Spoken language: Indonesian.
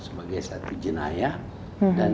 sebagai satu jenayah dan